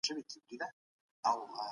دولت د نورو سازمانونو سياست نه کنټرولوي؟